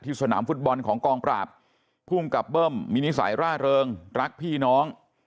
สนามฟุตบอลของกองปราบภูมิกับเบิ้มมีนิสัยร่าเริงรักพี่น้อง